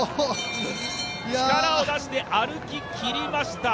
力を出して歩ききりました！